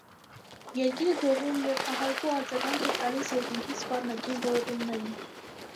Երկիրը դողում և ահարկու արձագանք էր տալիս երկնքի սպառնագին որոտումներին: